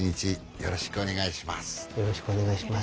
よろしくお願いします。